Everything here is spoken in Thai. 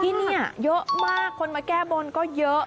ที่นี่เยอะมากคนมาแก้บนก็เยอะ